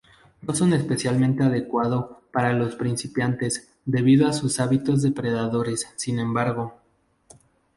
No son especialmente adecuado para los principiantes debido a sus hábitos depredadores sin embargo.